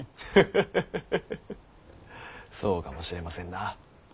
ハハハハハハそうかもしれませんな。